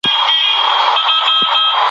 طبیعي زېرمې د ټولنې د پرمختګ لپاره مهمې دي.